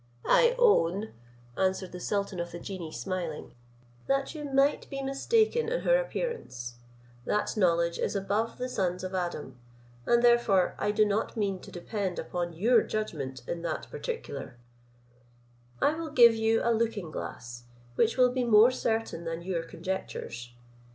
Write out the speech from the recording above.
"I own," answered the sultan of the genii, smiling, "that you might be mistaken in her appearance: that knowledge is above the sons of Adam, and therefore I do not mean to depend upon your judgment in that particular: I will give you a looking glass which will be more certain than your conjectures.